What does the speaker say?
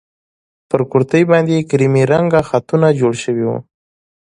پر کورتۍ باندې يې کيريمي رنګه خطونه جوړ شوي وو.